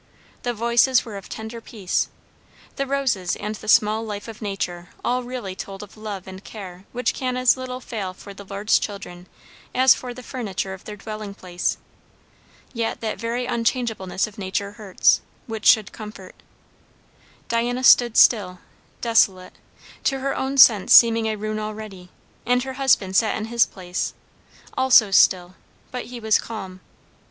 The voices were of tender peace; the roses and the small life of nature all really told of love and care which can as little fail for the Lord's children as for the furniture of their dwelling place. Yet that very unchangeableness of nature hurts, which should comfort. Diana stood still, desolate, to her own sense seeming a ruin already; and her husband sat in his place, also still, but he was calm.